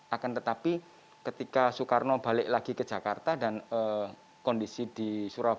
akan tetapi ketika soekarno balik lagi ke jakarta dan kondisi di surabaya